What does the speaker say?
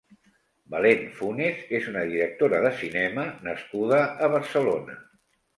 Belén Funes és una directora de cinema nascuda a Barcelona.